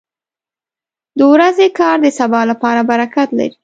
• د ورځې کار د سبا لپاره برکت لري.